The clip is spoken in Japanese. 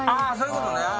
あそういうことね。